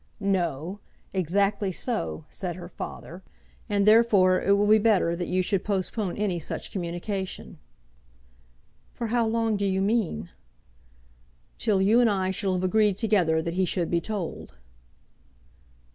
"No; exactly so," said her father. "And therefore it will be better that you should postpone any such communication." "For how long do you mean?" "Till you and I shall have agreed together that he should be told."